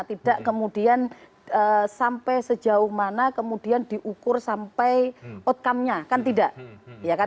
tidak kemudian sampai sejauh mana kemudian diukur sampai outcome nya kan tidak